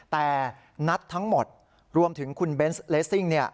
แต่นัดทั้งหมดรวมถึงคุณเบนส์เลสซิ่ง